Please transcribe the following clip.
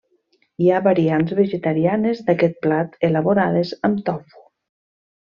Hi ha variants vegetarianes d'aquest plat elaborades amb tofu.